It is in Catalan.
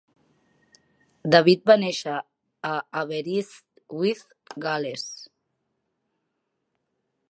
David va néixer a Aberystwyth, Gal·les.